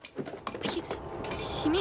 ひ秘密